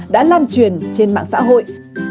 đã lan truyền trên mạng xã hội